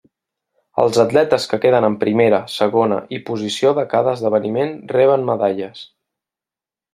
Els atletes que queden en primera, segona i posició de cada esdeveniment reben medalles.